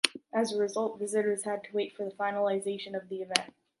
As a result, visitors had to wait for the finalization of the event.